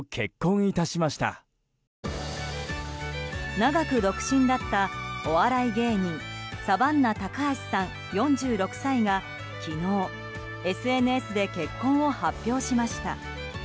長く独身だった、お笑い芸人サバンナ高橋さん、４６歳が昨日ＳＮＳで結婚を発表しました。